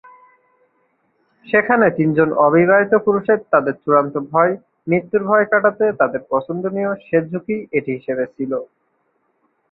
সেখানে তিনজন অবিবাহিত পুরুষের তাদের চূড়ান্ত ভয়, মৃত্যুর ভয় কাটাতে তাদের পছন্দনীয় শেষ ঝুকি এটি হিসেবে ছিল।